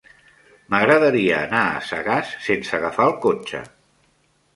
M'agradaria anar a Sagàs sense agafar el cotxe.